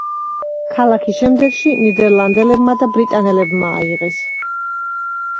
ქალაქი შემდეგში ნიდერლანდელებმა და ბრიტანელებმა აიღეს.